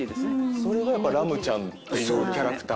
それがラムちゃんっていうキャラクター。